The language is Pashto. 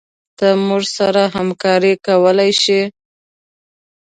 ته موږ سره همکارې کولي شي